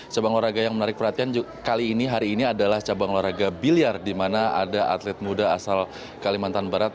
cabang olahraga yang menarik perhatian kali ini hari ini adalah cabang olahraga biliar di mana ada atlet muda asal kalimantan barat